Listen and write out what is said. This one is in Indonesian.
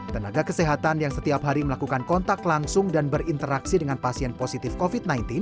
tenaga kesehatan yang setiap hari melakukan kontak langsung dan berinteraksi dengan pasien positif covid sembilan belas